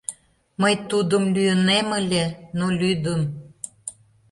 Мый тудым лӱйынем ыле, но лӱдым.